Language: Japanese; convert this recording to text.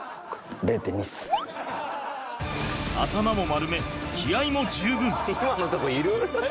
頭も丸め気合いも十分。